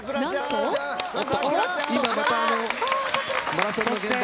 今またマラソンの現場。